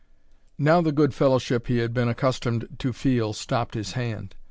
Now the good fellowship he had been accustomed to feel stopped his hand.